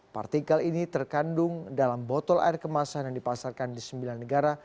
partikel ini terkandung dalam botol air kemasan yang dipasarkan di sembilan negara